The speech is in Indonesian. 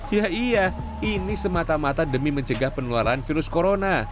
ya iya ini semata mata demi mencegah penularan virus corona